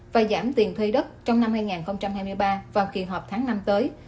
và giảm tiền thuê đất trong năm hai nghìn hai mươi ba vào kỳ họp tháng năm tới